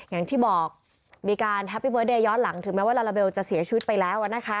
อย่างที่บอกมีการแฮปปี้เบิร์เดย์ย้อนหลังถึงแม้ว่าลาลาเบลจะเสียชีวิตไปแล้วนะคะ